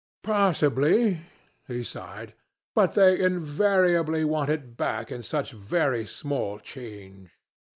"Possibly," he sighed, "but they invariably want it back in such very small change.